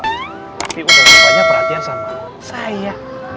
tapi udah pokoknya perhatian sama saya